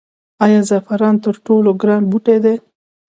آیا زعفران تر ټولو ګران بوټی دی؟